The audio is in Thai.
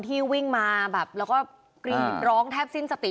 ที่วิ่งมาแบบแล้วก็กรีดร้องแทบสิ้นสติ